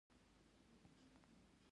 افغانستان د ننګرهار لپاره مشهور دی.